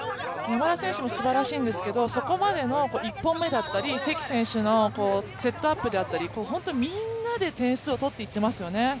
山田選手もすばらしいんですけれども、そこまでの１本目だったり、関選手のセットアップであったり、本当にみんなで点数を取っていってますよね。